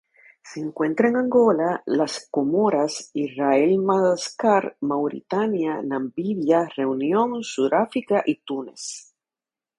Se encuentra en Angola, las Comoras, Israel Madagascar, Mauritania, Namibia, Reunión, Sudáfrica y Túnez.